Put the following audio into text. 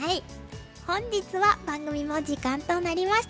本日は番組も時間となりました。